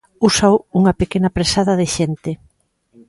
Úsao unha pequena presada de xente.